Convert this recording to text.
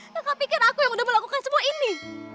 kakak pikir aku yang udah melakukan semua ini